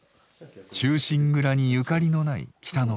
「忠臣蔵」にゆかりのない北の国。